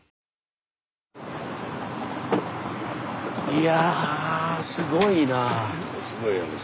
いやすごいなぁ。